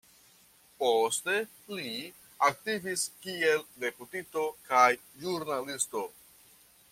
Poste li aktivis kiel deputito kaj ĵurnalisto.